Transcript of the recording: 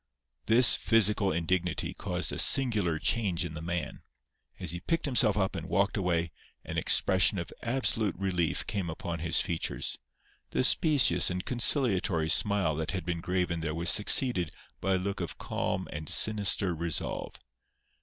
This physical indignity caused a singular change in the man. As he picked himself up and walked away, an expression of absolute relief came upon his features. The specious and conciliatory smile that had been graven there was succeeded by a look of calm and sinister resolve.